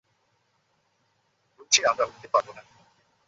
বলছি আমরা উড়তে পারব না।